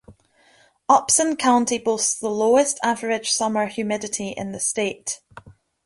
Upson County boasts the lowest average summer humidity in the state.